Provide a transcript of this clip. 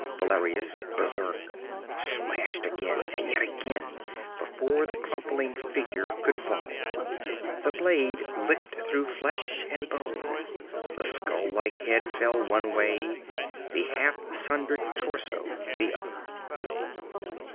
Valerius, berserk, slashed again and yet again before the crumpling figure could fall. The blade licked through flesh and bone. The skull like head fell one way, the half sundered torso the other.